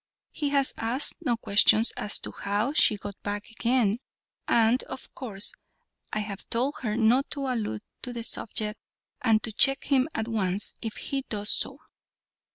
He has asked no questions as to how she got back again, and, of course, I have told her not to allude to the subject, and to check him at once if he does so.